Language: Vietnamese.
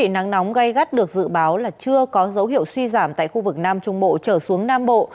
nắng nóng gây gắt được dự báo là chưa có dấu hiệu suy giảm tại khu vực nam trung bộ trở xuống nam bộ